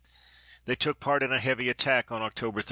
They took part in a heavy attack on October 31.